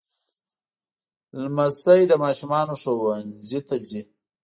لمسی د ماشومانو ښوونځي ته ځي.